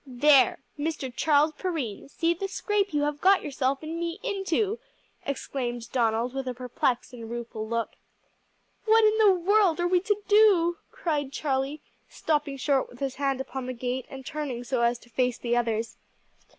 "There! Mr. Charles Perrine, see the scrape you have got yourself and me into!" exclaimed Donald with a perplexed and rueful look. "What in the world are we to do!" cried Charlie, stopping short with his hand upon the gate and turning so as to face the others.